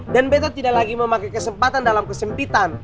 dan beta tidak lagi memakai kesempatan dalam kesempitan